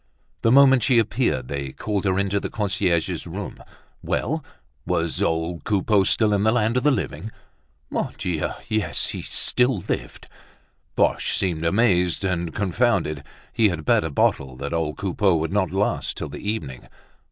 The moment she appeared they called her into the concierge's room. Well! was old Coupeau still in the land of the living? Mon Dieu! yes, he still lived. Boche seemed amazed and confounded; he had bet a bottle that old Coupeau would not last till the evening.